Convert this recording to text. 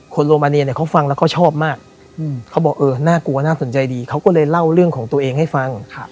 โรมาเนียเนี่ยเขาฟังแล้วก็ชอบมากเขาบอกเออน่ากลัวน่าสนใจดีเขาก็เลยเล่าเรื่องของตัวเองให้ฟัง